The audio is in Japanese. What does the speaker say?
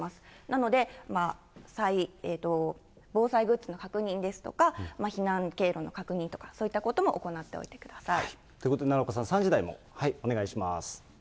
なので、防災グッズの確認ですとか、避難経路の確認とか、そういったことも行っておいてください。ということで、奈良岡さん、３時台もお願いします。